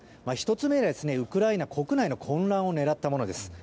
１つ目は、ウクライナ国内の混乱を狙ったものです。